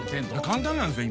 簡単なんですよ